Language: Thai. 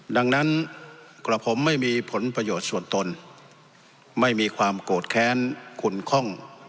ดังนั้นกระผมไม่มีผลประโยชน์ส่วนตนไม่มีความโกรธแค้นขุนคล่อง